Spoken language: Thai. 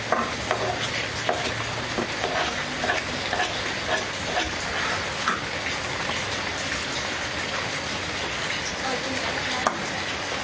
พร้อมทุกสิทธิ์